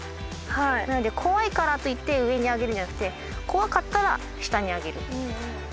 なので怖いからといって上に上げるんじゃなくて怖かったら下に上げる。